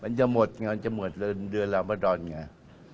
มันจะหมดไงมันจะหมดเรื่องเรือนราวบะดอนไง